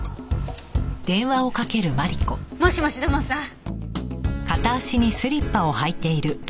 もしもし土門さん。